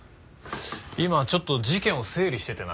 今ちょっと事件を整理しててな。